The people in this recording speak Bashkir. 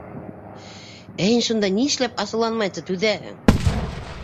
Ә һин шунда ни эшләп асыуланмайынса түҙәһең?